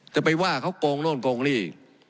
จะไปว่าเขาโค้งโน่นโค้งนี่